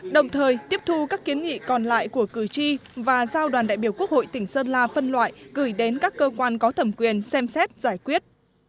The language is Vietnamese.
đồng thời tiếp thu các kiến nghị còn lại của cử tri và giao đoàn đại biểu quốc hội tỉnh sơn la phân loại gửi đến các cơ quan có thẩm quyền xem xét giải quyết